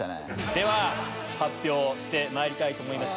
では発表してまいりたいと思います。